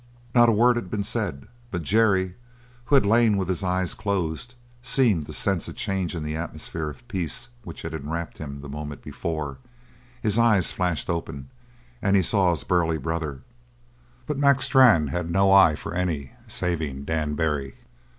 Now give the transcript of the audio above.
Not a word had been said, but Jerry, who had lain with his eyes closed, seemed to sense a change in the atmosphere of peace which had enwrapped him the moment before. His eyes flashed open; and he saw his burly brother. But Mac Strann had no eye for any saving Dan Barry.